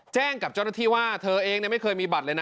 กับเจ้าหน้าที่ว่าเธอเองไม่เคยมีบัตรเลยนะ